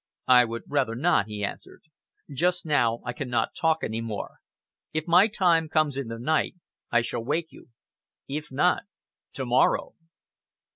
"I would rather not," he answered. "Just now I cannot talk any more. If my time comes in the night, I shall wake you. If not to morrow!"